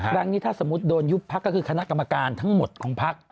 ครั้งนี้ถ้าสมมุติโดนยุบพักก็คือคณะกรรมการทั้งหมดของพัก